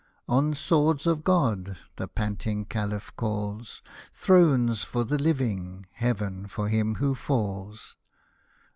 "On, swords of God !" the panting Caliph calls, —" Thrones for the living — Heaven for him who falls